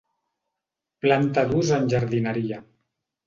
Planta d'ús en jardineria.